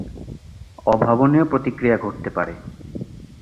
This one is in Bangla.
অভাবনীয় প্রতিক্রিয়া ঘটতে পারে।